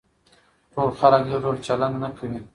ټول خلک يو ډول نه چلن کوي.